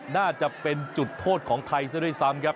น่าจะเป็นจุดโทษของไทยซะด้วยซ้ำครับ